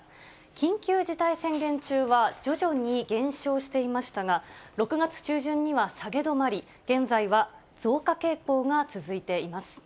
緊急事態宣言中は徐々に減少していましたが、６月中旬には下げ止まり、現在は増加傾向が続いています。